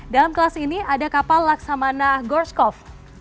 dalam kelas ini ada kapal laksamana gorscov